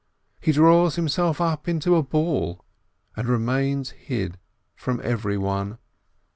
He draws himself up into a ball, and remains hid from everyone.